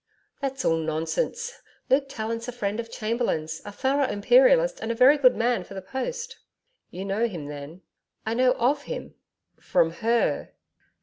'That's all nonsense. Luke Tallant's a friend of Chamberlain's, a thorough Imperialist and a very good man for the post.' 'You know him then?' 'I know OF him.' 'From HER?'